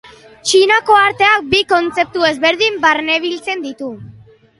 Txinako arteak bi kontzeptu ezberdin barnebiltzen ditu.